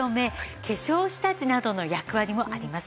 化粧下地などの役割もあります。